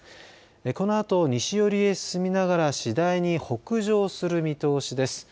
このあと西寄りへ進みながら次第に北上する見通しです。